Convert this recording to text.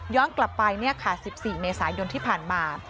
กลับไป๑๔เมษายนที่ผ่านมา